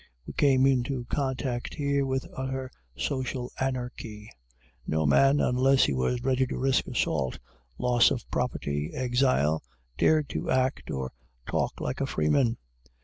We came into contact here with utter social anarchy. No man, unless he was ready to risk assault, loss of property, exile, dared to act or talk like a freeman.